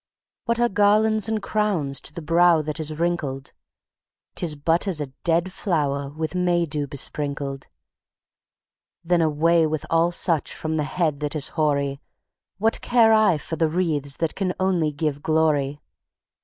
What are garlands and crowns to the brow that is wrinkled? 'Tis but as a dead flower with May dew besprinkled: Then away with all such from the head that is hoary! What care I for the wreaths that can only give glory?